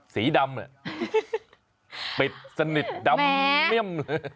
สีดำปิดสนิทดำเนี่ยม